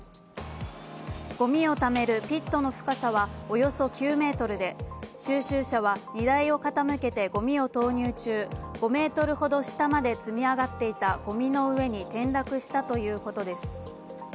ごみをためるピットの深さはおよそ９ｍで収集車は荷台を傾けてごみを投入中、５ｍほど下まで積み上がっていたごみの上に転落したということです。